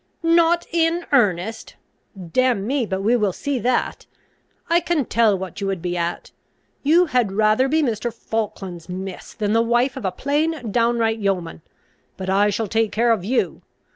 "Not in earnest! Damn me, but we will see that. I can tell what you would be at. You had rather be Mr. Falkland's miss, than the wife of a plain downright yeoman. But I shall take care of you.